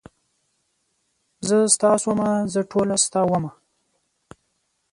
زه ستا شومه زه ټوله ستا ومه.